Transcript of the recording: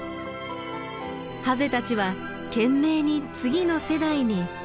ハゼたちは懸命に次の世代に命をつなぎます。